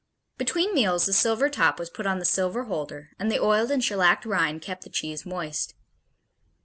Between meals the silver top was put on the silver holder and the oiled and shellacked rind kept the cheese moist.